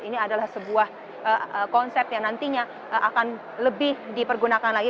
ini adalah sebuah konsep yang nantinya akan lebih dipergunakan lagi